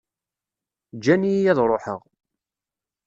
Ǧǧan-iyi ad ṛuḥeɣ.